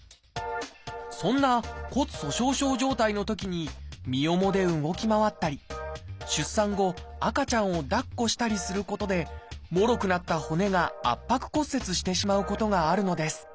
そんな骨粗しょう症状態のときに身重で動き回ったり出産後赤ちゃんを抱っこしたりすることでもろくなった骨が圧迫骨折してしまうことがあるのです。